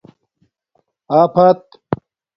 آفت